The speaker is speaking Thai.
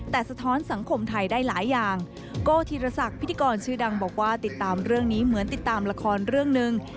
แต่สะท้อนสังคมไทยได้หลายอย่างโก้ธีรศักดิ์พิธีกรชื่อดังบอกว่าติดตามเรื่องนี้เหมือนติดตามละครเรื่องหนึ่ง